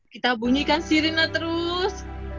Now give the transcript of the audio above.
kita bunyikan sirine terus